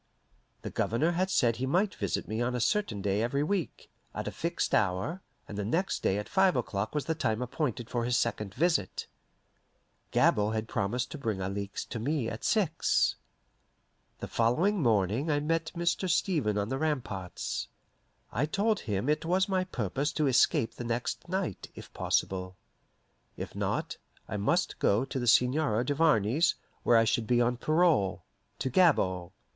The Governor had said he might visit me on a certain day every week, at a fixed hour, and the next day at five o'clock was the time appointed for his second visit. Gabord had promised to bring Alixe to me at six. The following morning I met Mr. Stevens on the ramparts. I told him it was my purpose to escape the next night, if possible. If not, I must go to the Seigneur Duvarney's, where I should be on parole to Gabord.